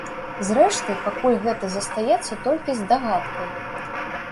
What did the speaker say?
Зрэшты, пакуль гэта застаецца толькі здагадкай.